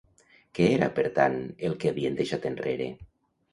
Què era, per tant, el que havien deixat enrere?